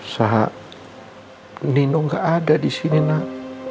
sah rinno gak ada disini nak